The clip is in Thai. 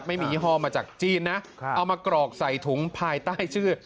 ไม่มียี่ห้อมาจากจีนนะเอามากรอกใส่ถุงภายใต้ชื่อ